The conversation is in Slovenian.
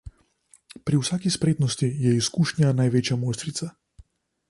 Pri vsaki spretnosti je izkušnja največja mojstrica.